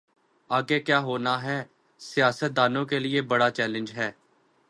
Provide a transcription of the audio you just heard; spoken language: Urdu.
آگے کیا ہوناہے یہ سیاست دانوں کے لئے بڑا چیلنج ہے۔